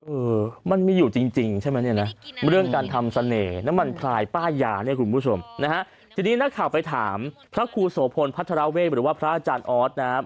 เออมันมีอยู่จริงใช่ไหมเนี่ยนะเรื่องการทำเสน่ห์น้ำมันพลายป้ายยาเนี่ยคุณผู้ชมนะฮะทีนี้นักข่าวไปถามพระครูโสพลพัฒนาเวศหรือว่าพระอาจารย์ออสนะครับ